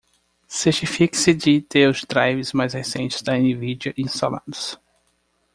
Certifique-se de ter os drivers mais recentes da Nvidia instalados.